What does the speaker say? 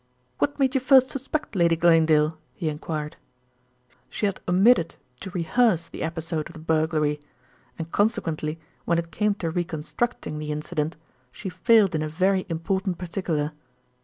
"What made you first suspect Lady Glanedale?" he enquired. "She had omitted to rehearse the episode of the burglary, and consequently when it came to reconstructing the incident, she failed in a very important particular."